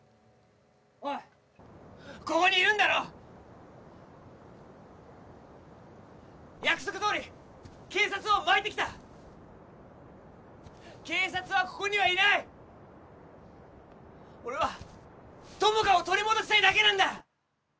おいここにいるんだろ約束どおり警察をまいてきた警察はここにはいない俺は友果を取り戻したいだけなんだ